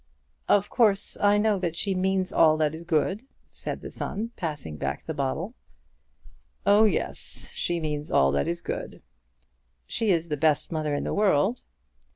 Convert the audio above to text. "Of course I know that she means all that is good," said the son, passing back the bottle. "Oh yes; she means all that is good." "She is the best mother in the world."